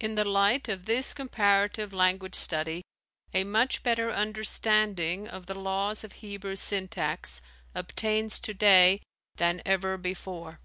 In the light of this comparative language study a much better understanding of the laws of Hebrew syntax obtains today than ever before.